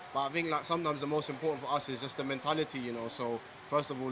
pertama mencintai permainan memiliki kemampuan dan juga keberuntungan